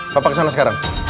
papa kesana sekarang